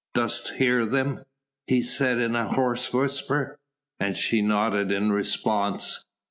"Dost hear them?" he said in a hoarse whisper. And she nodded in response.